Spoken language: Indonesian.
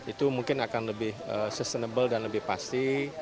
itu mungkin akan lebih sustainable dan lebih pasti